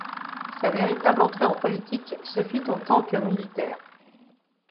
Sa véritable entrée en politique se fit en tant que militaire.